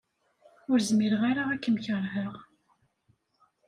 Ur zmireɣ ara ad kem-keṛheɣ.